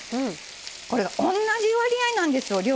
これがおんなじ割合なんですよ量。